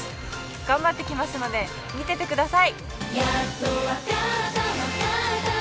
頑張ってきますので見ててください。